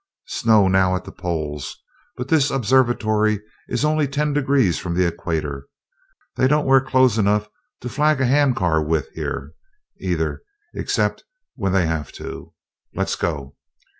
Snow now at the poles, but this observatory is only ten degrees from the equator. They don't wear clothes enough to flag a hand car with here, either, except when they have to. Let's go!"